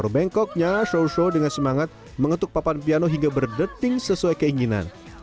bengkoknya shou shou dengan semangat mengetuk papan piano hingga berdating sesuai keinginan